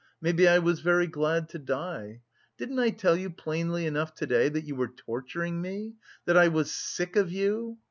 Maybe I was very glad to die. Didn't I tell you plainly enough to day that you were torturing me, that I was... sick of you!